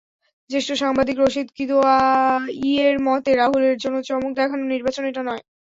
জ্যেষ্ঠ সাংবাদিক রশিদ কিদোয়াইয়ের মতে, রাহুলের জন্য চমক দেখানোর নির্বাচন এটা নয়।